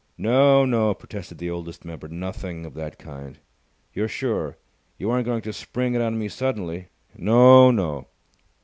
"No, no," protested the Oldest Member. "Nothing of that kind." "You're sure? You aren't going to spring it on me suddenly?" "No, no!"